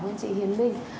cảm ơn chị hiến minh